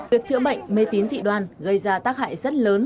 việc chữa bệnh mê tín dị đoan gây ra tác hại rất lớn